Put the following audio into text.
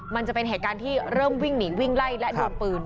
มันจะเป็นเหตุการณ์ที่เริ่มวิ่งหนีวิ่งไล่และดูปืน